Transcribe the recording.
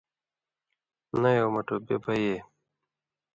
”نَیں او مٹُو بے بئ اْے،